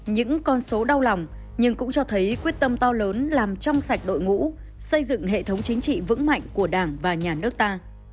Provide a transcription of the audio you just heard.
những con số đau lòng nhưng cũng cho thấy quyết tâm to lớn làm trong sạch đội ngũ xây dựng hệ thống chính trị vững mạnh của đảng và nhà nước ta